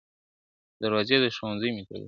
دروازې د ښوونځیو مي تړلي !.